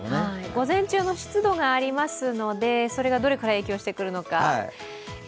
午前中の湿度がありますので、それがどのくらい影響してくるのか。